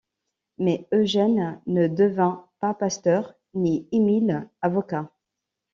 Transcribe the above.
Mais Eugène ne devint pas pasteur ni Émile avocat.